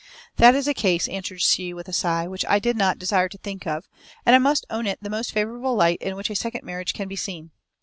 "That is a case," answered she, with a sigh, "which I did not desire to think of, and I must own it the most favourable light in which a second marriage can be seen.